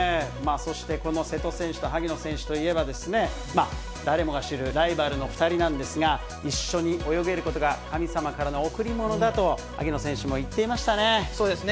そしてこの瀬戸選手と萩野選手といえば、誰もが知るライバルの２人なんですが、一緒に泳げることが神様からの贈り物だと、そうですね。